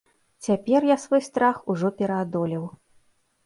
Цяпер я свой страх ужо пераадолеў.